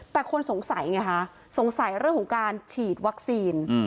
แต่สงสัยเรื่องของการฉีดวัคซีน